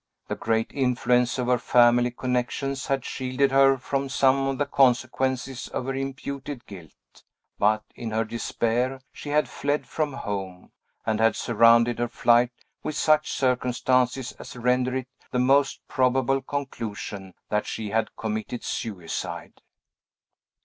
The great influence of her family connections had shielded her from some of the consequences of her imputed guilt. But, in her despair, she had fled from home, and had surrounded her flight with such circumstances as rendered it the most probable conclusion that she had committed suicide.